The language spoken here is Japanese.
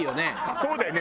そうだよね。